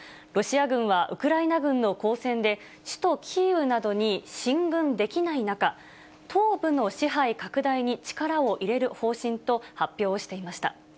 ロシア軍はウクライナ軍の交戦で、首都キーウなどに進軍できない中、東部の支配拡大に力を入れる方針と発表をしていました。